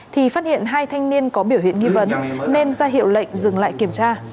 thì phát hiện hai thanh niên có biểu hiện nghi vấn nên ra hiệu lệnh dừng lại kiểm tra